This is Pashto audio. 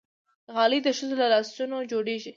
غالۍ د ښځو له لاسونو جوړېږي.